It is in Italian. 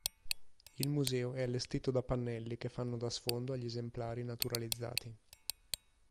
Il museo è allestito da pannelli che fanno da sfondo agli esemplari naturalizzati.